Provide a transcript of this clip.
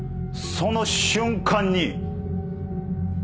その瞬間に。